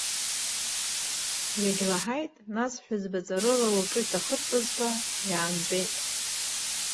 Иагьлаҳаит, нас, ҳәызба ҵарыла лҿы иҭахырҵәазшәа, иаанҵәеит.